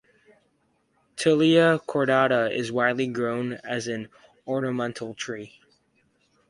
"Tilia cordata" is widely grown as an ornamental tree.